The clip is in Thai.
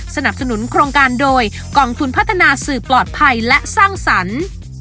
สนับสนุนโครงการโดยกองทุนพัฒนาสื่อปลอดภัยและสร้างสรรค์